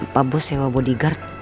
pak bos sewa bodyguard